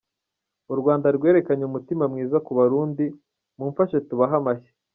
U Rwanda rwerekanye umutima mwiza ku Barundi, mumfashe tubahe amashyi!”.